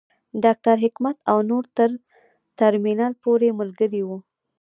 ډاکټر حکمت او نور تر ترمینل پورې ملګري وو.